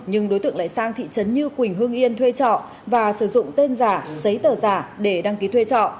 nhưng đối tượng lại sang thị trấn như quỳnh hương yên thuê trọ và sử dụng tên giả giấy tờ giả để đăng ký thuê trọ